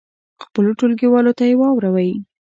خپلو ټولګیوالو ته یې واوروئ.